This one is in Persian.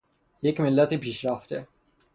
یک ملت پیشرفته